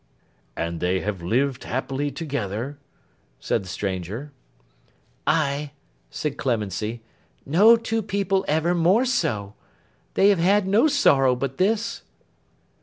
'And they have lived happily together?' said the stranger. 'Ay,' said Clemency. 'No two people ever more so. They have had no sorrow but this.